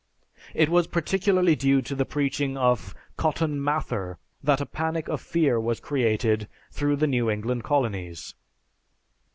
It was particularly due to the preaching of Cotton Mather that a panic of fear was created through the New England Colonies.